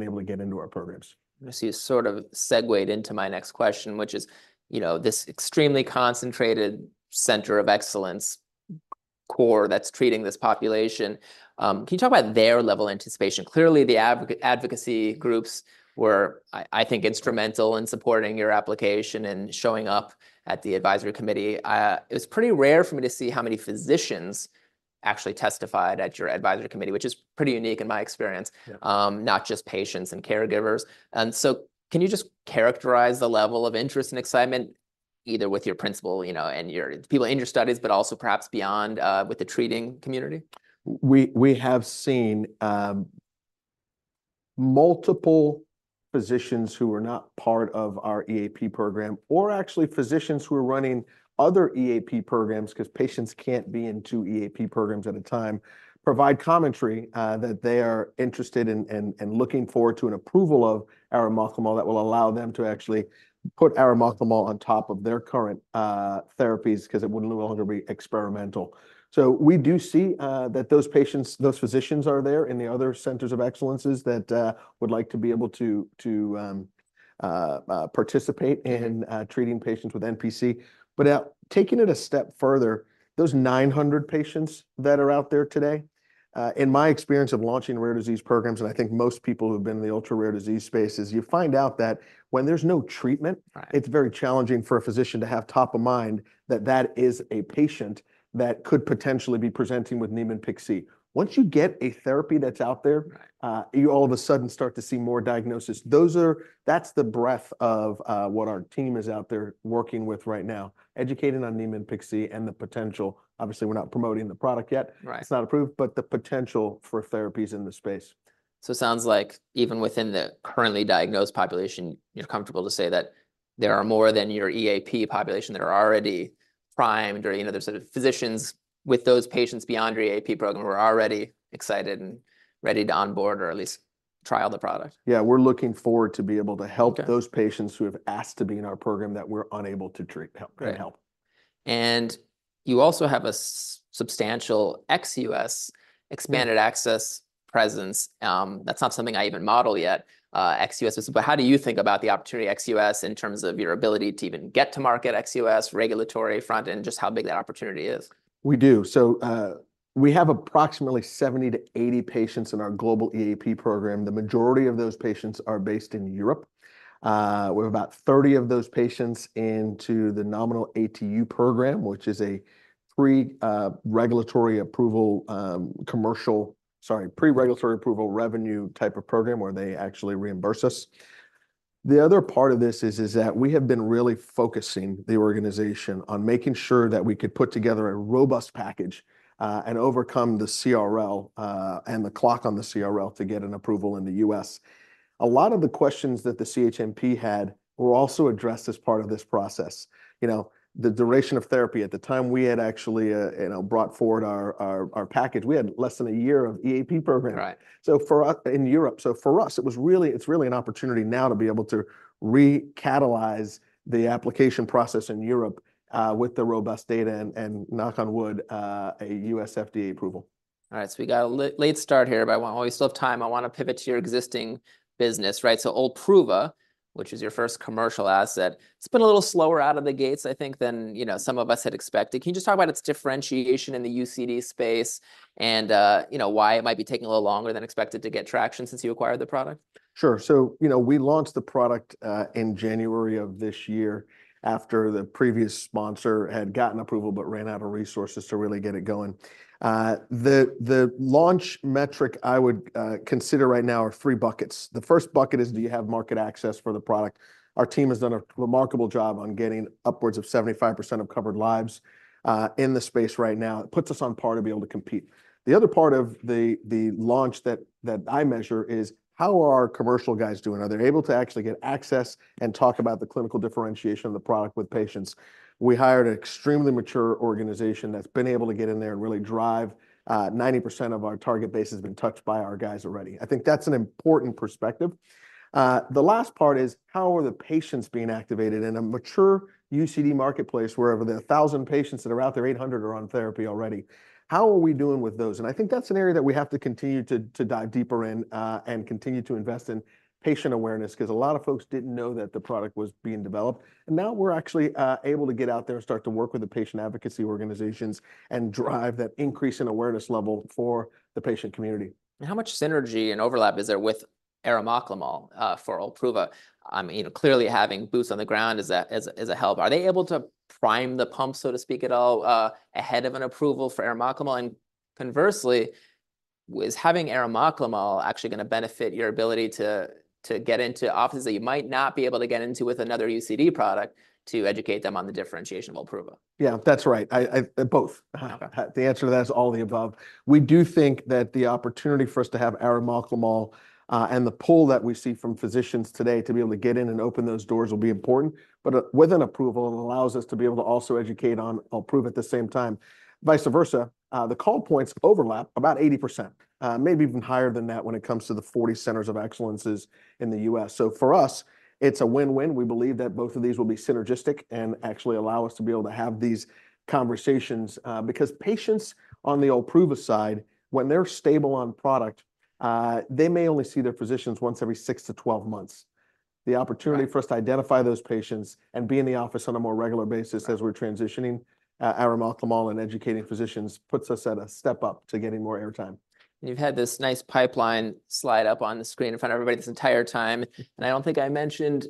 not been able to get into our programs. I see you sort of segued into my next question, which is, you know, this extremely concentrated center of excellence core that's treating this population. Can you talk about their level of anticipation? Clearly, the advocacy groups were, I think, instrumental in supporting your application and showing up at the advisory committee. It was pretty rare for me to see how many physicians actually testified at your advisory committee, which is pretty unique in my experience. Yeah... not just patients and caregivers. And so can you just characterize the level of interest and excitement, either with your principal, you know, and your people in your studies, but also perhaps beyond, with the treating community? We have seen multiple physicians who are not part of our EAP program, or actually physicians who are running other EAP programs, 'cause patients can't be in two EAP programs at a time, provide commentary that they are interested in, and looking forward to an approval of arimoclimol that will allow them to actually put arimoclimol on top of their current therapies, because it would no longer be experimental, so we do see that those patients, those physicians are there in the other centers of excellence that would like to be able to participate in treating patients with NPC. But now, taking it a step further, those nine hundred patients that are out there today, in my experience of launching rare disease programs, and I think most people who've been in the ultra-rare disease space, is you find out that when there's no treatment- Right... it's very challenging for a physician to have top of mind that that is a patient that could potentially be presenting with Niemann-Pick C. Once you get a therapy that's out there- Right... you all of a sudden start to see more diagnosis. That's the breadth of what our team is out there working with right now, educating on Niemann-Pick C and the potential, obviously, we're not promoting the product yet. Right. It's not approved, but the potential for therapies in the space. It sounds like even within the currently diagnosed population, you're comfortable to say that there are more than your EAP population that are already primed, or, you know, there's sort of physicians with those patients beyond your EAP program who are already excited and ready to onboard or at least trial the product. Yeah, we're looking forward to be able to help- Okay... those patients who have asked to be in our program that we're unable to treat, help- Great... help. You also have a substantial ex-US expanded access presence. Mm-hmm. That's not something I even model yet, ex-US. But how do you think about the opportunity ex-US in terms of your ability to even get to market ex-US, regulatory front, and just how big that opportunity is? We do. So, we have approximately seventy to eighty patients in our global EAP program. The majority of those patients are based in Europe. We have about thirty of those patients into the nominative ATU program, which is a pre-regulatory approval revenue type of program where they actually reimburse us. The other part of this is that we have been really focusing the organization on making sure that we could put together a robust package, and overcome the CRL, and the clock on the CRL to get an approval in the US. A lot of the questions that the CHMP had were also addressed as part of this process. You know, the duration of therapy. At the time, we had actually, you know, brought forward our package. We had less than a year of EAP program- Right... so for us, in Europe. So for us, it's really an opportunity now to be able to recatalyze the application process in Europe, with the robust data and, knock on wood, a US FDA approval. All right, so we got a late start here, but we still have time. I wanna pivot to your existing business, right? So Olpruva, which is your first commercial asset, it's been a little slower out of the gates, I think, than, you know, some of us had expected. Can you just talk about its differentiation in the UCD space and, you know, why it might be taking a little longer than expected to get traction since you acquired the product? Sure. So, you know, we launched the product in January of this year after the previous sponsor had gotten approval but ran out of resources to really get it going. The launch metric I would consider right now are three buckets. The first bucket is: Do you have market access for the product? Our team has done a remarkable job on getting upwards of 75% of covered lives in the space right now. It puts us on par to be able to compete. The other part of the launch that I measure is: How are our commercial guys doing? Are they able to actually get access and talk about the clinical differentiation of the product with patients? We hired an extremely mature organization that's been able to get in there and really drive. 90% of our target base has been touched by our guys already. I think that's an important perspective. The last part is: How are the patients being activated in a mature UCD marketplace, where of the 1,000 patients that are out there, 800 are on therapy already? How are we doing with those? And I think that's an area that we have to continue to dive deeper in and continue to invest in patient awareness, 'cause a lot of folks didn't know that the product was being developed. And now we're actually able to get out there and start to work with the patient advocacy organizations and drive that increase in awareness level for the patient community. How much synergy and overlap is there with arimoclimol for Olpruva? You know, clearly having boots on the ground is a help. Are they able to prime the pump, so to speak, at all ahead of an approval for arimoclimol? Conversely, is having arimoclimol actually gonna benefit your ability to get into offices that you might not be able to get into with another UCD product to educate them on the differentiation of Olpruva? Yeah, that's right. I... Both. Okay. The answer to that is all of the above. We do think that the opportunity for us to have arimoclimol and the pull that we see from physicians today to be able to get in and open those doors will be important, but with an approval, it allows us to be able to also educate on Olpruva at the same time. Vice versa, the call points overlap about 80%, maybe even higher than that when it comes to the 40 centers of excellence in the US. So for us, it's a win-win. We believe that both of these will be synergistic and actually allow us to be able to have these conversations. Because patients on the Olpruva side, when they're stable on product, they may only see their physicians once every six to twelve months. Right. The opportunity for us to identify those patients and be in the office on a more regular basis- Right... as we're transitioning arimoclimol and educating physicians, puts us at a step up to getting more airtime. You've had this nice pipeline slide up on the screen in front of everybody this entire time, and I don't think I mentioned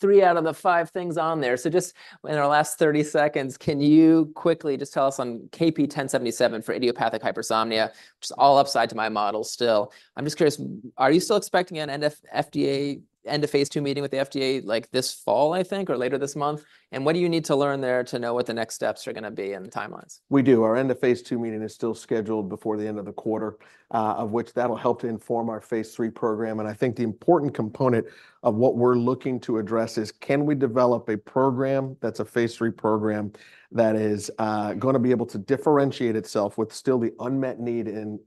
three out of the five things on there. So just in our last thirty seconds, can you quickly just tell us on KP1077 for idiopathic hypersomnia, which is all upside to my model still, I'm just curious, are you still expecting an end-of-phase II meeting with the FDA, like, this fall, I think, or later this month? And what do you need to learn there to know what the next steps are gonna be and the timelines? We do. Our end-of-phase II meeting is still scheduled before the end of the quarter, of which that'll help to inform our phase III program. And I think the important component of what we're looking to address is: Can we develop a program that's a phase III program that is, going to be able to differentiate itself with still the unmet need in,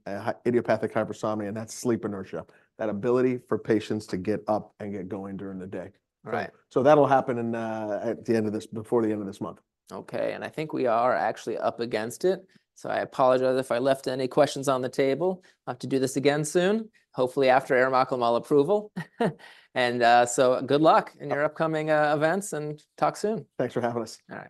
idiopathic hypersomnia, and that's sleep inertia, that ability for patients to get up and get going during the day? Right. That'll happen before the end of this month. Okay, and I think we are actually up against it, so I apologize if I left any questions on the table. I'll have to do this again soon, hopefully after arimoclimol approval. And, so good luck in your upcoming, events, and talk soon. Thanks for having us. All right.